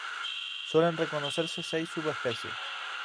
Suelen reconocerse seis subespecies.